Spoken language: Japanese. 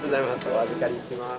お預かりします。